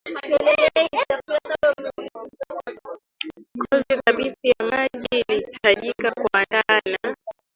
kozi thabiti ya maji ilihitajika kuandaa na